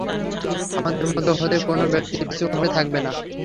আমাদের মধ্য হতে কোন ব্যক্তিই পিছু হটে থাকবে না।